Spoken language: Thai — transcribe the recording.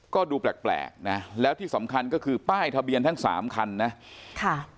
ก็ดูแปลกนะแล้วที่สำคัญก็คือป้ายทะเบียนทั้งสามคันนะค่ะ